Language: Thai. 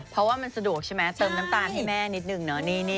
เพราะว่ามันสะดวกใช่ไหมเติมน้ำตาลให้แม่นิดนึงเนาะ